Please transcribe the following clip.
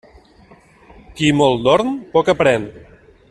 Qui molt dorm, poc aprén.